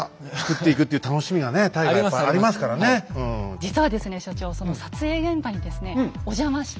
実はですね所長その撮影現場にですねお邪魔して。